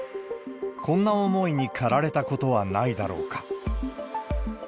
こんな思いに駆られたことはないだろうか。